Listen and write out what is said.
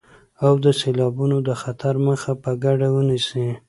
او د سيلابونو د خطر مخه په ګډه ونيسئ.